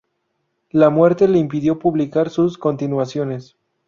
La muerte le impidió publicar sus continuaciones.